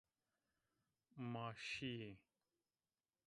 Ma şîyî.